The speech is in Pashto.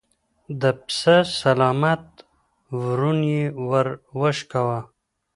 د پسه سلامت ورون يې ور وشکاوه.